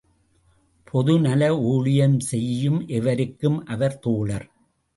பொதுநல ஊழியம் செய்யும் எவருக்கும் அவர் தோழர்.